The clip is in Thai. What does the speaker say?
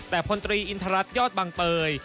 แต่พลตรีอินทรัศนยอดบังเตย